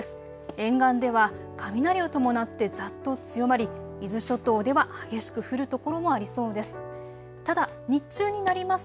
沿岸では雷を伴ってざっと強まり伊豆諸島では激しく降る所もありそうです。